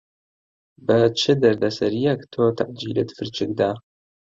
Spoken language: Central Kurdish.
بە چ دەردەسەرییەک تۆ تەعجیلت فرچک دا.